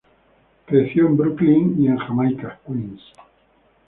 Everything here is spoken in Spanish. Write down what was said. Creció en Brooklyn, y en Jamaica, Queens.